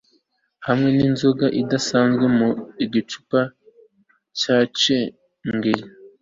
hamwe n'inzoga idasanzwe.mu gicuku cyacengeye